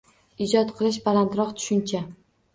Ijod qilish balandroq tushuncha